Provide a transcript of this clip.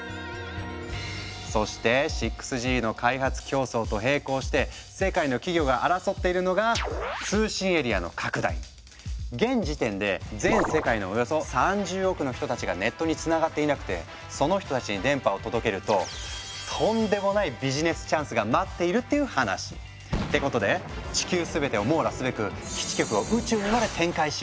そして６Ｇの開発競争と並行して世界の企業が争っているのが現時点で全世界のおよそ３０億の人たちがネットにつながっていなくてその人たちに電波を届けるととんでもないビジネスチャンスが待っているっていう話。ってことで地球すべてを網羅すべく基地局を宇宙にまで展開しようとしている。